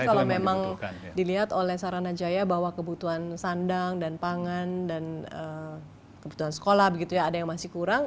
jadi kalau memang dilihat oleh saranajaya bahwa kebutuhan sandang dan pangan dan kebutuhan sekolah begitu ya ada yang masih kurang